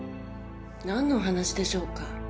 何のお話でしょうか？